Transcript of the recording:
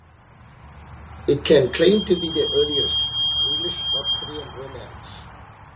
It can claim to be the earliest English Arthurian romance.